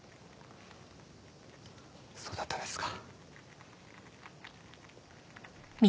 そうだったんですか。